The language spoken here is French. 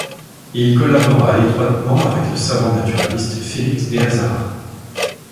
Il collabora étroitement avec le savant naturaliste Félix de Azara.